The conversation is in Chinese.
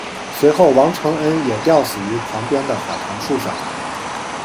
随后王承恩也吊死于旁边的海棠树上。